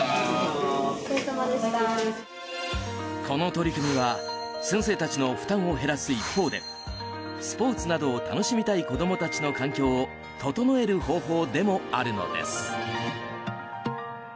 この取り組みは先生たちの負担を減らす一方でスポーツなどを楽しみたい子供たちの環境を整える方法でもあるのです。